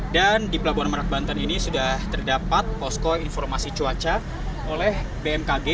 dan di pelabuhan merak banten ini sudah terdapat posko informasi cuaca oleh bmkg